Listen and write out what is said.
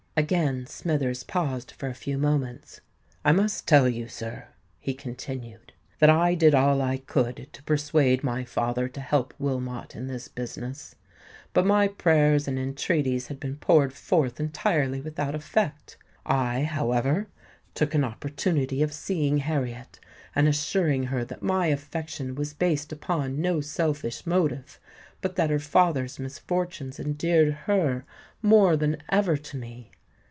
Again Smithers paused for a few moments. "I must tell you, sir," he continued, "that I did all I could to persuade my father to help Wilmot in this business; but my prayers and entreaties had been poured forth entirely without effect. I, however, took an opportunity of seeing Harriet, and assuring her that my affection was based upon no selfish motive, but that her father's misfortunes endeared her more than ever to me.